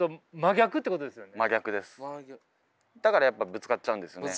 だからやっぱぶつかっちゃうんですね。